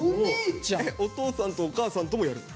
お父さんとお母さんともやるの？